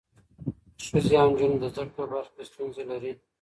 ښځې او نجونې د زده کړې په برخه کې ستونزې لري.